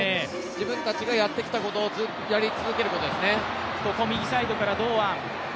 自分たちがやってきたことをやり続けることですね。